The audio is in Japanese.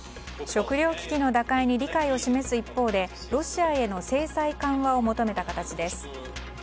食料危機の打開に理解を示す一方でロシアへの制裁緩和を求めた形です。